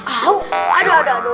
aduh aduh aduh